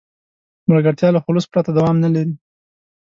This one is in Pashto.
ملګرتیا له خلوص پرته دوام نه لري.